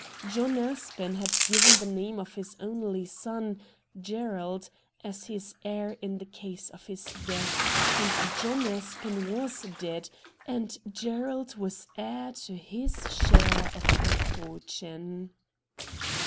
John Aspen had given the name of his only son, Gerald, as his heir in the case of his death, and John Aspen was dead, and Gerald was heir to his share of the fortune.